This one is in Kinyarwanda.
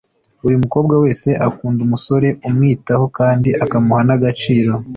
Buri mukobwa wese akunda umusore umwitaho kandi akamuha n’agaciro